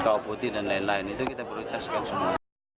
kabupaten dan lain lain itu kita prioritaskan semua